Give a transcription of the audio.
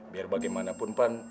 biar bagaimanapun pan